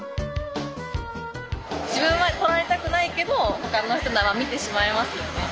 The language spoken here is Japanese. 自分は撮られたくないけど他の人のは見てしまいますよね。